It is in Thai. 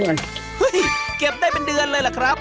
เฮ้ยเก็บได้เป็นเดือนเลยล่ะครับ